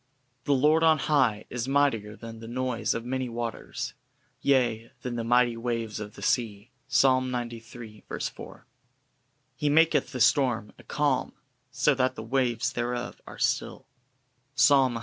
'" "The Lord on high is mightier than the noise of many waters, yea, than the mighty waves of the sea:" Psa. xciii. 4. "He maketh the storm a calm, so that the waves thereof are still:" Psa. cvii. 29.